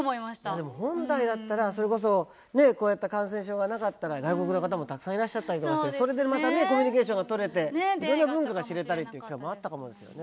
でも本来だったらそれこそこうやって感染症がなかったら外国の方もたくさんいらっしゃったりとかしてそれでまたねコミュニケーションがとれていろんな文化が知れたりっていう機会もあったかもですよね。